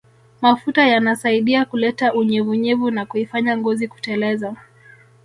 Mafuta yanasaidia kuleta unyevunyevu na kuifanya ngozi kuteleza